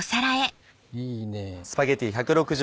いいねぇ。